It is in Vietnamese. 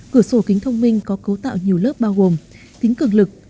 cửa sổ kính thông minh có cấu tạo nhiều lớp bao gồm tính cường lực